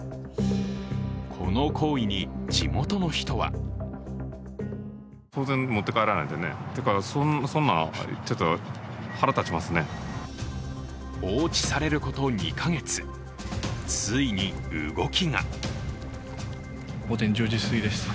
この行為に地元の人は放置されること２か月、ついに動きが午前１０時過ぎです。